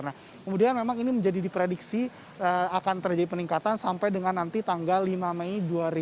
nah kemudian memang ini menjadi diprediksi akan terjadi peningkatan sampai dengan nanti tanggal lima mei dua ribu dua puluh